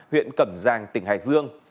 huyện cẩm giang tỉnh hải dương